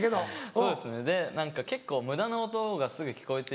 そうですねで何か結構無駄な音がすぐ聞こえて。